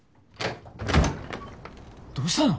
どうしたの！？